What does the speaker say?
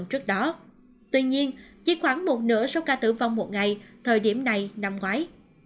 tuy nhiên chỉ khoảng một nửa số ca tử vong một ngày thời điểm này năm ngoái